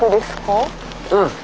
うん。